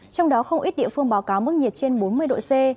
trong đó không ít địa phương báo cáo mức nhiệt trên bốn mươi độ c